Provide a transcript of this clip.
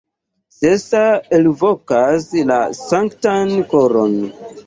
Sesa elvokas la Sanktan Koron.